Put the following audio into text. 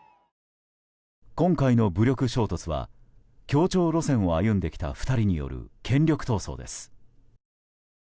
今回の武力衝突は協調路線を歩んできた２人による権力闘争です。